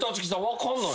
分かんない。